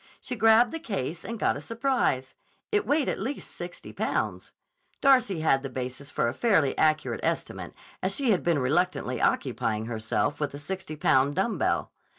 She grabbed the case and got a surprise. It weighed at least sixty pounds. Darcy had the basis for a fairly accurate estimate, as she had been recently occupying herself with a sixty pound dumb bell.